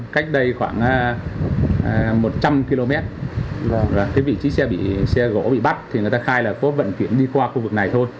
cách đây khoảng một trăm linh km vị trí xe bị xe gỗ bị bắt thì người ta khai là có vận chuyển đi qua khu vực này thôi